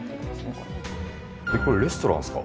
これレストランですか？